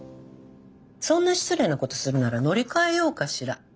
そんな失礼なことするなら乗り換えようかしら。